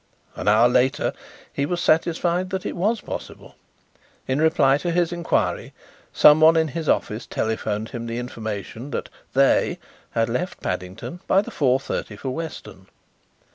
An hour later he was satisfied that it was possible. In reply to his inquiry someone in his office telephoned him the information that "they" had left Paddington by the four thirty for Weston.